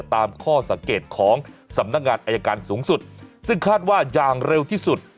ตามข้อสังเกตของสำนักงานอายการสูงสุดซึ่งคาดว่าอย่างเร็วที่สุด